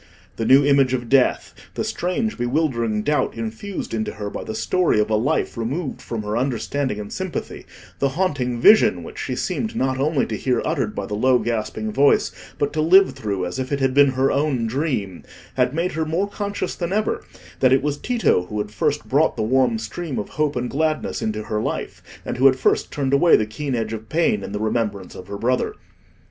The new image of death; the strange bewildering doubt infused into her by the story of a life removed from her understanding and sympathy; the haunting vision, which she seemed not only to hear uttered by the low gasping voice, but to live through, as if it had been her own dream, had made her more conscious than ever that it was Tito who had first brought the warm stream of hope and gladness into her life, and who had first turned away the keen edge of pain in the remembrance of her brother.